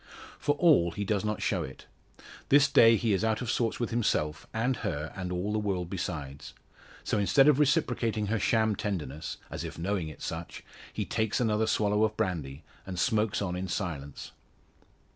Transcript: For all he does not show it. This day he is out of sorts with himself, and her and all the world besides; so instead of reciprocating her sham tenderness as if knowing it such he takes another swallow of brandy, and smokes on in silence.